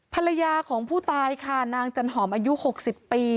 ภรรยาของผู้ตายค่ะนางจันหอมอายุ๖๐ปี